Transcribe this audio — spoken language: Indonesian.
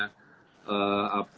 kalau tadi saya telepon oleh kota bekasi